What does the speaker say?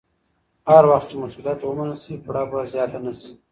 هر وخت چې مسوولیت ومنل شي، پړه به زیاته نه شي.